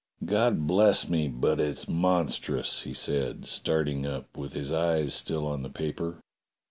*'God bless me! but it's monstrous," he said, starting up, with his eyes still on the paper.